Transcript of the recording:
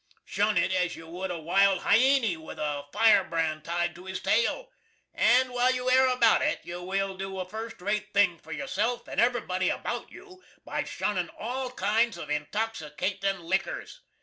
Shun it as you would a wild hyeny with a firebrand tied to his tale, and while you air abowt it you will do a first rate thing for yourself and everybody abowt you by shunnin all kinds of intoxicatin lickers.